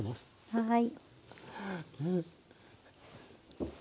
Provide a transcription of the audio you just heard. はい。